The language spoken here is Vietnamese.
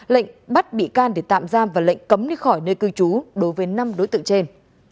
lệnh bắt bị can để tạm giam và lệnh cấm đi khỏi nơi cư trú đối với năm đối tượng trên